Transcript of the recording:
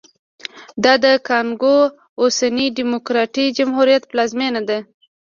دا د کانګو اوسني ډیموکراټیک جمهوریت پلازمېنه ده